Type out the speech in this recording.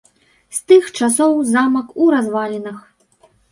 З тых часоў замак у развалінах.